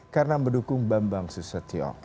karena mendukung bambang susatyo